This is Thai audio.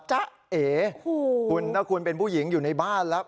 เอ๋คุณถ้าคุณเป็นผู้หญิงอยู่ในบ้านแล้ว